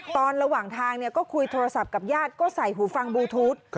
ระหว่างทางก็คุยโทรศัพท์กับญาติก็ใส่หูฟังบลูทูธ